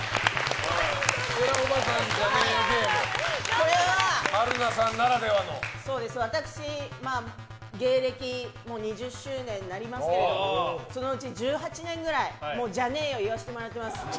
これは、私芸歴２０周年になりますけどもそのうち１８年くらいじゃねーよ言わせてもらってます。